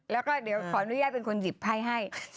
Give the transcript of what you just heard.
แล้วก็เดี๋ยวขออนุญาตเป็นคนหยิบไพ่ให้